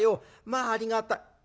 まあありがたい。